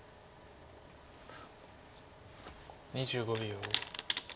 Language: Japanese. ２５秒。